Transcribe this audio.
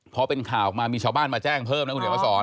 เพราะเป็นข่าวมามีชาวบ้านมาแจ้งเพิ่มนะคุณเหนียวสอน